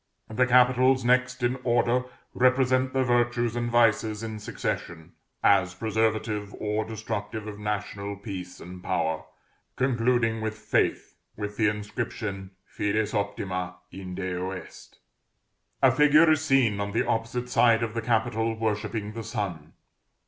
The capitals next in order represent the virtues and vices in succession, as preservative or destructive of national peace and power, concluding with Faith, with the inscription "Fides optima in Deo est." A figure is seen on the opposite side of the capital, worshipping the sun.